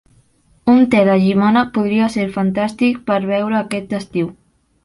Un te de llimona podria ser fantàstic per beure aquest estiu.